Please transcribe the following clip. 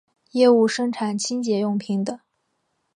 业务生产清洁用品等。